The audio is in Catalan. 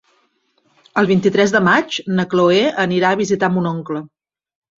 El vint-i-tres de maig na Chloé anirà a visitar mon oncle.